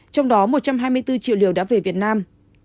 trong đó một trăm hai mươi bốn triệu liều đã về việt nam